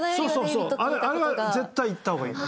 あれは絶対言った方がいい。